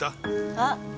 あっ！